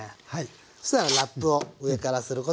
そしたらラップを上からすることでね